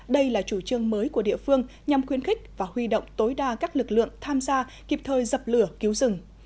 đây là chủ trương mới của địa phương nhằm khuyến khích và huy động tối đa các lực lượng tham gia kịp thời dập lửa cứu rừng